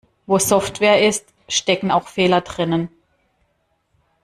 Wo Software ist, stecken auch Fehler drinnen.